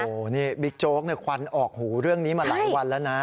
โอ้โหนี่บิ๊กโจ๊กควันออกหูเรื่องนี้มาหลายวันแล้วนะ